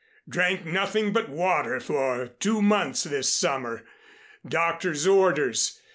Drank nothing but water for two months this summer. Doctors orders.